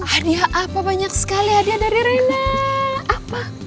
hadiah apa banyak sekali hadiah dari reinhard apa